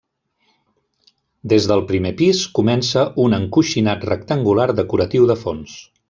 Des del primer pis comença un encoixinat rectangular decoratiu de fons.